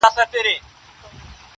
د نمرمخیو دیدن کله کله ښه وي